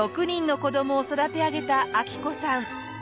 ６人の子どもを育て上げた昭子さん。